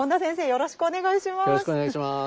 よろしくお願いします。